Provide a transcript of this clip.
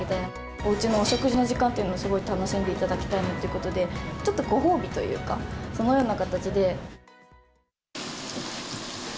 おうちのお食事の時間というのをすごい楽しんでいただきたいなということで、ちょっとご褒美というか、そのような形で。